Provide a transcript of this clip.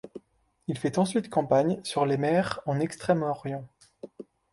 Il fait ensuite campagne sur les mers en Extrême-Orient.